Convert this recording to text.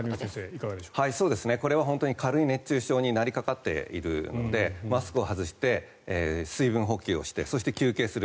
これは本当に軽い熱中症になりかかっているのでマスクを外して水分補給をしてそして休憩する。